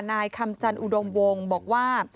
นายคำจันอุดมวงบอกว่า